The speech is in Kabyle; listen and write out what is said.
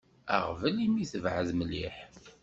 Aɣbel imi tebɛed mliḥ.